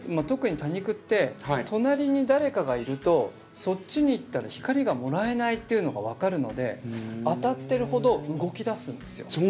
特に多肉って隣に誰かがいるとそっちに行ったら光がもらえないっていうのが分かるので当たってるほど動きだすんですよ。